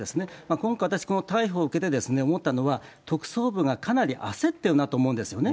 今回、逮捕を受けて思ったのは、特捜部がかなり焦ってるなと思うんですよね。